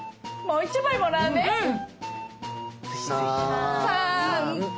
うん。